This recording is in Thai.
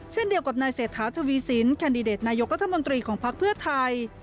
เช่นเดียวกับนายเศรษฐาทวีสินแคนดิเดตนายกรัฐมนตรีของพักเพื่อไทย